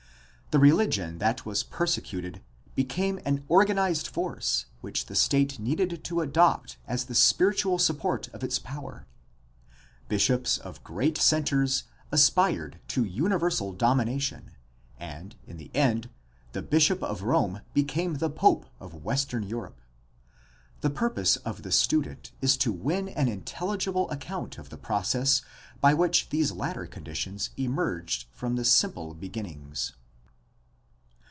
The religion that was persecuted became an organized force which the state needed to adopt as the spiritual support of its power. Bishops of great centers aspired to universal domina tion, and, in the end, the Bishop of Rome became the Pope of Western Europe. The purpose of the student is to win an intelligible account of the process by which these later con ditions emerged from the simple beginnings.